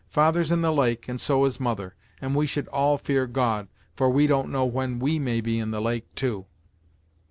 Father's in the lake, and so is mother, and we should all fear God, for we don't know when we may be in the lake, too."